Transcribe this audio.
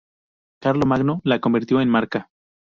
Carlomagno la convirtió en marca.